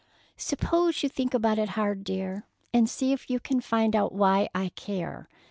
"Suppose you think about it hard, dear, and see if you can find out why I care.